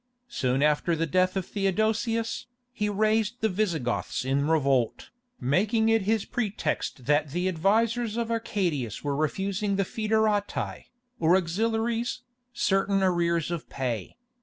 Soon after the death of Theodosius, he raised the Visigoths in revolt, making it his pretext that the advisers of Arcadius were refusing the foederati, or auxiliaries, certain arrears of pay.